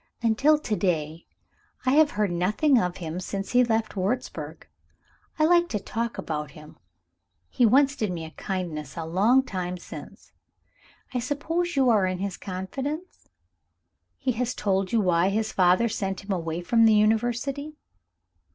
"Until to day, I have heard nothing of him since he left Wurzburg. I like to talk about him he once did me a kindness a long time since. I suppose you are in his confidence? Has he told you why his father sent him away from the University?"